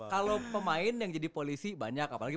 kalau pemain yang jadi polisi banyak apalagi